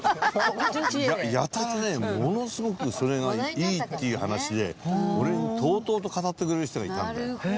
やたらねものすごくそれがいいっていう話で俺にとうとうと語ってくれる人がいたんだよ